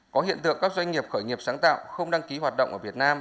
có hiện tượng các doanh nghiệp khởi nghiệp sáng tạo không đăng ký hoạt động ở việt nam